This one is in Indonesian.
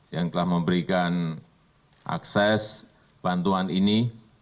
yang telah memberikan akses bantuan ini